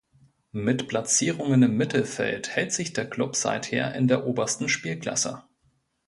Mit Platzierungen im Mittelfeld hält sich der Klub seither in der obersten Spielklasse.